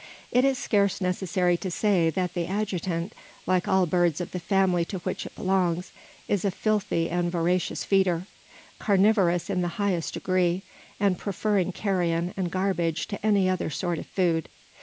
It is scarce necessary to say that the adjutant like all birds of the family to which it belongs is a filthy and voracious feeder; carnivorous in the highest degree; and preferring carrion and garbage to any other sort of food.